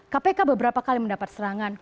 kpk beberapa kali mendapat serangan